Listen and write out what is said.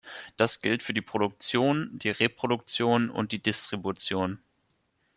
Das gilt für die Produktion, die Reproduktion und die Distribution.